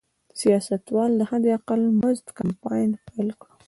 سیاستوالو د حداقل مزد کمپاین پیل کړ.